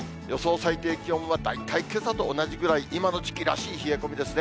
最低気温は大体けさと同じぐらい、今の時期らしい冷え込みですね。